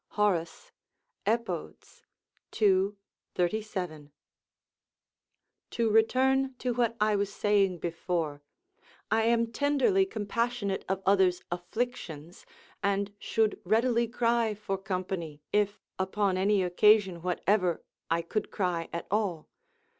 Horace, Epod., ii. 37.] To return to what I was saying before, I am tenderly compassionate of others' afflictions, and should readily cry for company, if, upon any occasion whatever, I could cry at all.